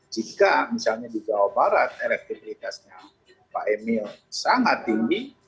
jika misalnya di jawa barat elektibilitasnya pak emil sangat tinggi